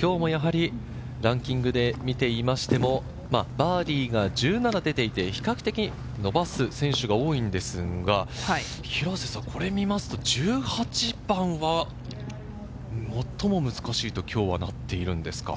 今日もやはりランキングで見てみましても、バーディーが１７出ていて、比較的伸ばす選手が多いんですが、これを見ますと１８番は最も難しいと今日はなっているんですか？